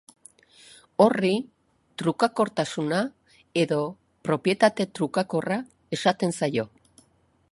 Horri trukakortasuna edo propietate trukakorra esaten zaio.